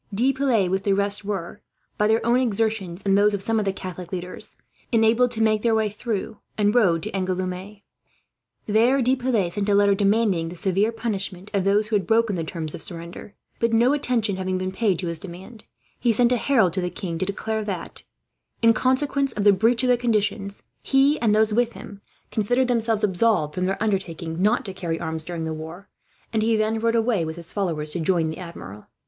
De Piles with the rest were, by their own exertions and those of some of the Catholic leaders, enabled to make their way through, and rode to Angouleme. There De Piles sent a letter demanding the severe punishment of those who had broken the terms of the surrender; but, no attention having been paid to his demand, he sent a herald to the king to declare that, in consequence of the breach of the conditions, he and those with him considered themselves absolved from their undertaking not to carry arms during the war; and he then rode away, with his followers, to join the Admiral.